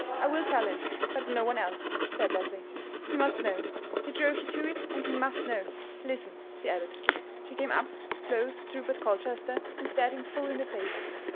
"I will tell him; but no one else," said Leslie. "He must know; he drove you to it, and he must know. Listen," she added. She came up close to Rupert Colchester, and stared him full in the face.